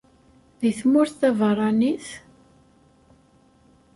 Di tmurt taberranit?